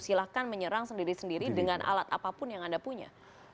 silahkan menyerang sendiri sendiri dengan alat apapun yang anda punya